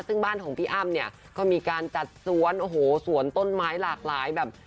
ซึ่งบ้านของพี่อ้ำเนี่ยก็มีการจัดสวนโอ้โหสวนต้นไม้หลากหลายแบบ